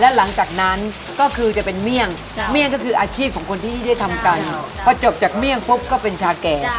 แล้วหลังจากนั้นก็คือจะเป็นเมี่ยงเมี่ยงก็คืออาชีพจ้าปุ๊บก็เป็นชาแก่